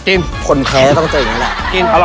คนแพ้ก็ต้องเจออย่างนั้นแหละ